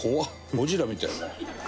ゴジラみたい」